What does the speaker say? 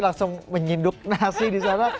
langsung menyinduk nasi di sana